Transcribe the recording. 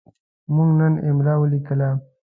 موږ نن املا ولیکه.